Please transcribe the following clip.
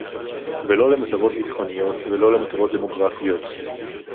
ולא למטרות ביטחוניות, ולא למטרות דמוגרפיות